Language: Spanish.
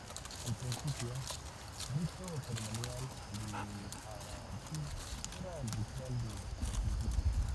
El principal rito ceremonial de Urartu era el ritual del sacrificio.